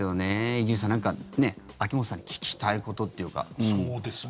伊集院さん、何か秋本さんに聞きたいことというか。